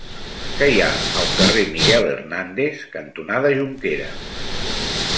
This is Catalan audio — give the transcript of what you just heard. Què hi ha al carrer Miguel Hernández cantonada Jonqueres?